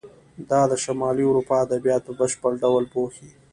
دا د شمالي اروپا ادبیات په بشپړ ډول پوښي.